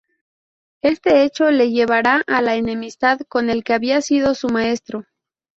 Este hecho le llevará a la enemistad con el que había sido su maestro.